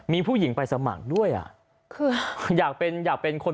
มีผู้หญิงไปสมัครด้วย